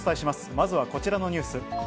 まずはこちらのニュース。